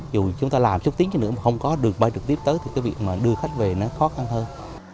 dù chúng ta làm xúc tiến cho nữa mà không có đường bay trực tiếp tới thì cái việc mà đưa khách về nó khó khăn hơn